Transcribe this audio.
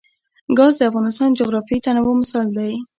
ګاز د افغانستان د جغرافیوي تنوع مثال دی.